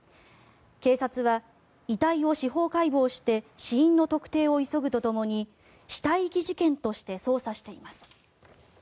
警察は、遺体を司法解剖して死因の特定を急ぐとともに死体遺棄事件として捜査しています。